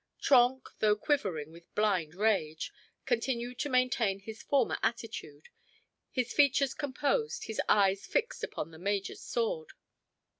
Trenck, though quivering with blind rage, continued to maintain his former attitude, his features composed, his eyes fixed upon the major's sword.